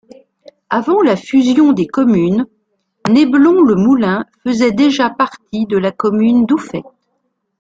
Avant la fusion des communes, Néblon-le-Moulin faisait déjà partie de la commune d'Ouffet.